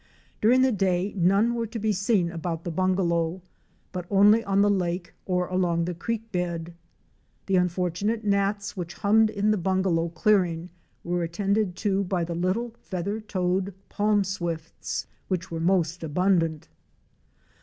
During the day none were to be seen about the bungalow, but only on the lake or a'ong the creek bed. The unfortunate gnats which hummed in the bungalow clearing were attended to by the little Feather toed Palm Swifts," which were most abundant.